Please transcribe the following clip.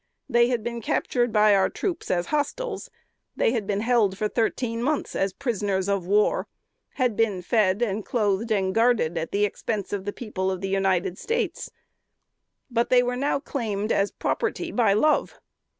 They had been captured by our troops as hostiles; had been held for thirteen months as prisoners of war; had been fed, and clothed, and guarded, at the expense of the people of the United States: but they were now claimed as the property of Love.